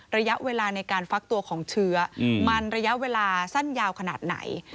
ระยะเวลาในการฟักตัวของเชื้อมันระยะเวลาสั้นยาวขนาดไหน